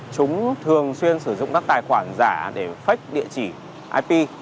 chúng thường xuyên sử dụng các tài khoản giả để phách địa chỉ ip